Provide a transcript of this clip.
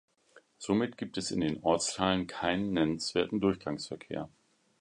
Somit gibt es in den Ortsteilen keinen nennenswerten Durchgangsverkehr.